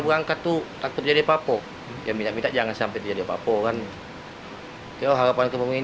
gara gara mafia mafia pembakaran ini